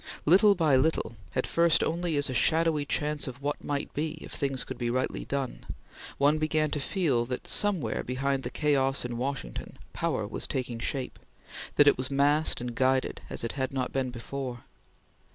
Little by little, at first only as a shadowy chance of what might be, if things could be rightly done, one began to feel that, somewhere behind the chaos in Washington power was taking shape; that it was massed and guided as it had not been before.